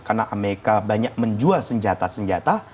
karena amerika banyak menjual senjata senjata